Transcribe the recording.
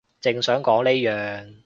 正想講呢樣